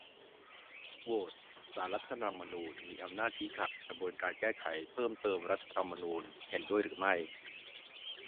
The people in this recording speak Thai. โหวต : ศาลรัฐธรรมนูญมีอำนาจชี้ขาดในกระบวนการแก้ไขเพิ่มเติมรัฐธรรมนูญ เห็นด้วยหรือไม่ ?